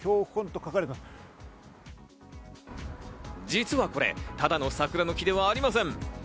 実はこれ、ただの桜の木ではありません。